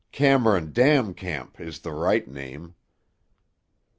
Cameron Dam Camp is the right name."